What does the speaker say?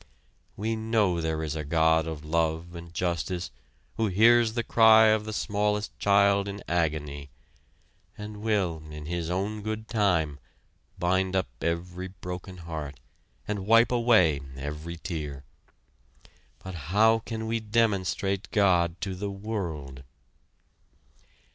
We know there is a God of love and justice, who hears the cry of the smallest child in agony, and will in His own good time bind up every broken heart, and wipe away every tear. But how can we demonstrate God to the world!